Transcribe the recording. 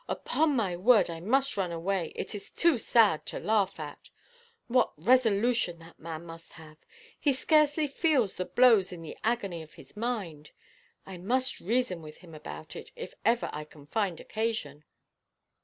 Upon my word, I must run away. It is too sad to laugh at. What resolution that man must have! He scarcely feels the blows in the agony of his mind. I must reason with him about it, if I ever can find occasion.